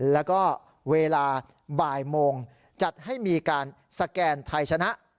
แล้วก็เวลาบ่ายโมงจัดให้มีการสแกนไทยชนะ